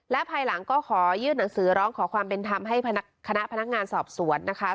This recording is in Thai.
และภายหลังก็ขอยื่นหนังสือร้องขอความเป็นธรรมให้คณะพนักงานสอบสวนนะคะ